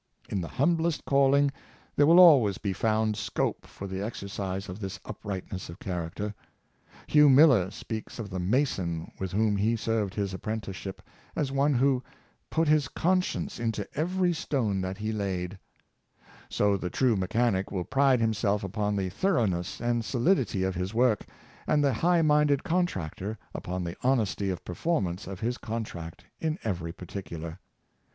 In the humblest calling there will always be found scope for the exercise of this uprightness of character. Hugh Miller speaks of the mason with whom he served his apprenticeship, as one who ' '"put his conscience into every stone that he laidy So the true mechanic will pride himself upon the thoroughness and solidity of his work, and the high minded contractor upon the honesty of perform ance of his contract in every particular.